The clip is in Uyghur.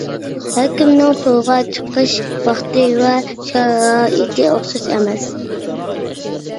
ھەر كىمنىڭ تورغا چىقىش ۋاقتى ۋە شارائىتى ئوخشاش ئەمەس.